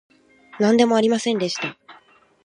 なんでもありませんでした